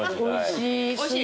おいしい。